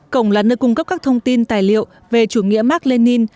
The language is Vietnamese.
cổng là nơi cung cấp các thông tin tài liệu về chủ nghĩa mark lenin